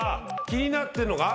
気になってるのが。